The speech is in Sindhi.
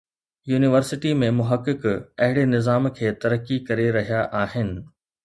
يونيورسٽي ۾ محقق اهڙي نظام کي ترقي ڪري رهيا آهن